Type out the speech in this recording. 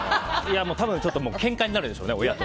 多分ちょっとけんかになるでしょうね、親と。